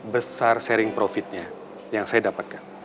besar sharing profitnya yang saya dapatkan